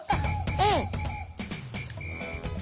うん。